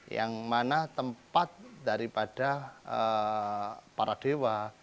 yang mana tempat daripada para dewa